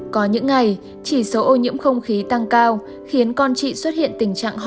có những ngày chỉ số ô nhiễm không khí tăng cao khiến con chị xuất hiện tình trạng ho